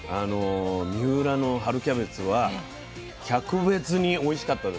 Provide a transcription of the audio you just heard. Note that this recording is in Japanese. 三浦の春キャベツは「格別」においしかったですね。